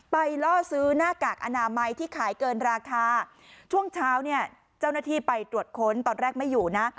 ล่อซื้อหน้ากากอนามัยที่ขายเกินราคาช่วงเช้าเนี่ยเจ้าหน้าที่ไปตรวจค้นตอนแรกไม่อยู่นะ